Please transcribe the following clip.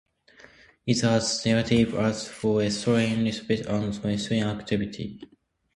It has negligible affinity for the estrogen receptors and no estrogenic activity.